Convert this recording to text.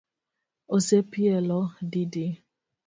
Osepielo didi?